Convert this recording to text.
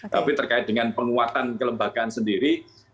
tapi terkait dengan penguatan kelembagaan sendiri